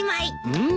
うん。